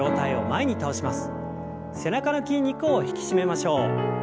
背中の筋肉を引き締めましょう。